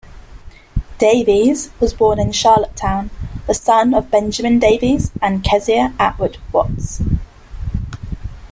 Davies was born in Charlottetown, the son of Benjamin Davies and Kezia Attwood Watts.